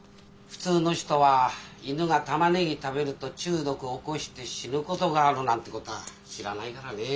普通の人は「犬がタマネギ食べると中毒起こして死ぬことがある」なんてことは知らないからねえ。